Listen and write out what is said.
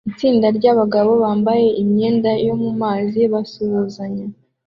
Itsinda ryabagabo bambaye imyenda yo mu mazi basuhuzanya